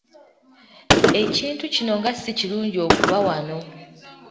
Ekintu kino nga si kirungi okuba wano.